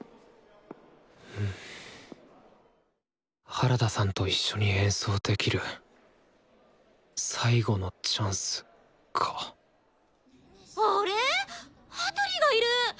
原田さんと一緒に演奏できる最後のチャンスかあれっ羽鳥がいる！